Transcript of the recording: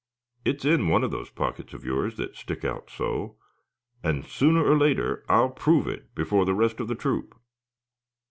It's in one of those pockets of yours that stick out so; and sooner or later I'll prove it before the rest of the troop."